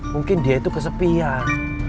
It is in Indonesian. mungkin dia itu kesepian